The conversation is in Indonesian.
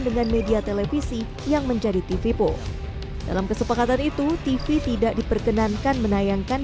dengan media televisi yang menjadi tv pool dalam kesepakatan itu tv tidak diperkenankan menayangkan